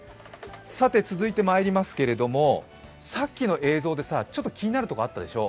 さて続いてまいりますけれども、さっきの映像でさ、気になるところあったでしょ？